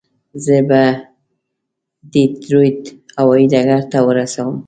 زه به دې ډیترویت هوایي ډګر ته ورسوم.